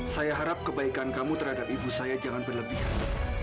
saya harap kebaikan kamu terhadap ibu saya jangan berlebihan